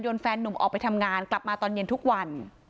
แฟนนุ่มออกไปทำงานกลับมาตอนเย็นทุกวัน